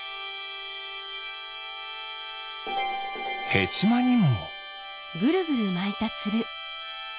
ヘチマにも。